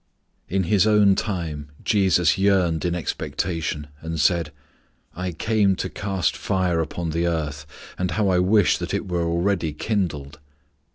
In His own time Jesus yearned in expectation, and said, "I came to cast fire upon the earth, and how I wish that it were already kindled."